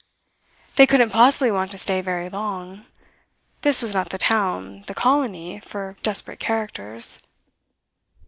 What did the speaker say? They couldn't possibly want to stay very long; this was not the town the colony for desperate characters.